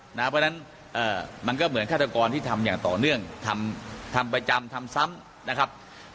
เพราะฉะนั้นมันก็เหมือนฆาตกรที่ทำอย่างต่อเนื่องทำประจำทำซ้ำนะครับ